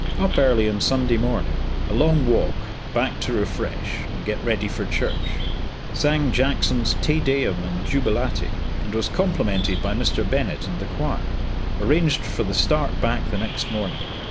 Up early on Sunday morning, a long walk, back to refresh, and get ready for church. Sang Jackson's "Te Deum" and "Jubilate," and was complimented by Mr. Bennett and the choir; arranged for the start back the next morning.